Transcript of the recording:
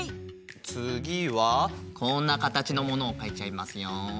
つぎはこんなかたちのものをかいちゃいますよ。